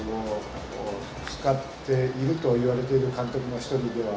mereka harus memberikan kesempatan untuk mereka